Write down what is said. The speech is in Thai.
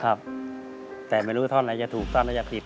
ครับแต่ไม่รู้ท่อนไหนจะถูกท่อนไหนจะผิด